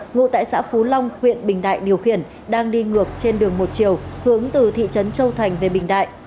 ngụ tại xã phú long huyện bình đại điều khiển đang đi ngược trên đường một chiều hướng từ thị trấn châu thành về bình đại